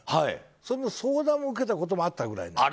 その相談も受けたこともあったぐらい。